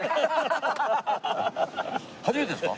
初めてですか？